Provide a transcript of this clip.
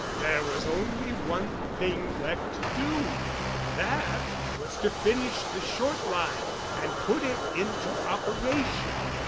There was only one thing left to do, and that was to finish the Short Line and put it into operation.